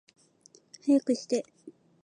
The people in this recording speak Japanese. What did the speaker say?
早くして